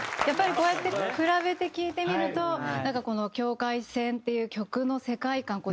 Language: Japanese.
やっぱりこうやって比べて聴いてみるとなんかこの『境界線』っていう曲の世界観。